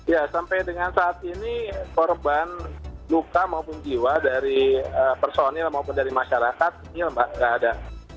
ya sampai dengan saat ini korban luka maupun jiwa dari personil maupun dari masyarakat ini tidak ada